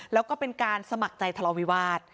แล้วก็เป็นการสมัครใจทะเลาวิวาส